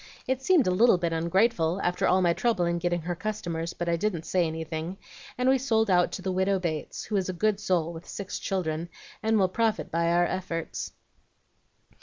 It seemed a little bit ungrateful after all my trouble in getting her customers, but I didn't say anything, and we sold out to the Widow Bates, who is a good soul with six children, and will profit by our efforts.